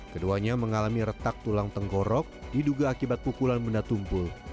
keduanya mengalami retak tulang tenggorok diduga akibat pukulan benda tumpul